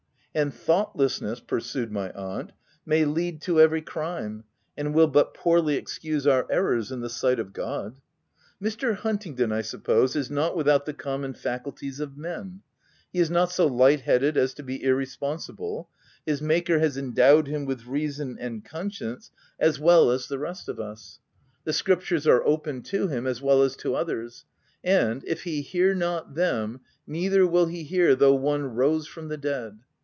" And thoughtlessness," pursued my aunt, " may lead to every crime, and will but poorly excuse our errors in the sight of God. Mr. Huntingdon, I suppose, is not without the com mon' faculties of men : he is not so light headed as to be irresponsible : his maker has endowed him with reason and conscience as well as the 12 THE TENANT rest of us ; the scriptures are open to him as well as to others ;— and * If he hear not them, neither will he hear though one rose from the dead.'